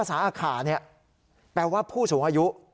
สาอาขาเนี่ยแปลว่าผู้สูงอายุ